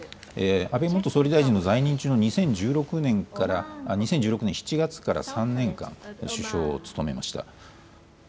安倍元総理大臣の在任中の２０１６年から、２０１６年７月から３年間、首相を務めました。